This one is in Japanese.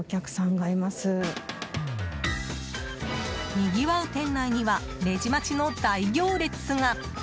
にぎわう店内にはレジ待ちの大行列が。